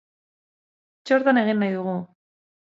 Txortan egin nahi dugu!